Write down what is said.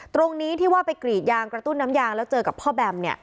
ตรงนี้ที่ว่าไปกรีดยางกระตุ้นน้ำยางแล้วเจอกับพ่อแบม